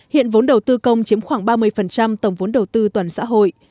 hiện vốn đầu tư công chiếm khoảng ba mươi tổng vốn đầu tư toàn xã hội